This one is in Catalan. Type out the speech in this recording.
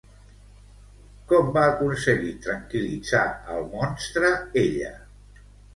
Com va aconseguir tranquil·litzar al monstre ella?